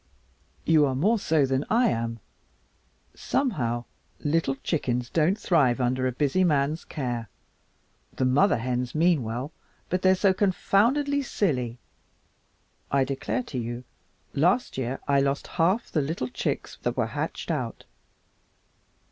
"You are more so than I am. Somehow, little chickens don't thrive under a busy man's care. The mother hens mean well, but they are so confoundedly silly. I declare to you that last year I lost half the little chicks that were hatched out."